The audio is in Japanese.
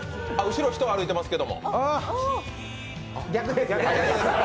後ろ、人歩いてますけど。